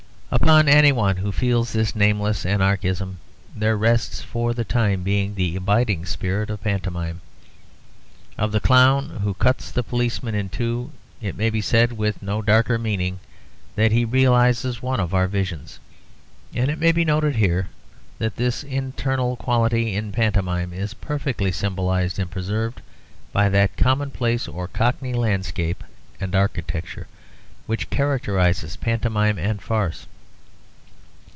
Upon anyone who feels this nameless anarchism there rests for the time being the abiding spirit of pantomime. Of the clown who cuts the policeman in two it may be said (with no darker meaning) that he realizes one of our visions. And it may be noted here that this internal quality in pantomime is perfectly symbolized and preserved by that commonplace or cockney landscape and architecture which characterizes pantomime and farce.